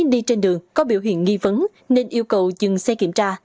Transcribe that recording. đi trên đường có biểu hiện nghi vấn nên yêu cầu dừng xe kiểm tra